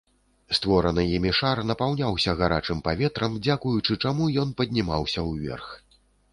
Створаны імі шар напаўняўся гарачым паветрам, дзякуючы чаму ён паднімаўся ўверх.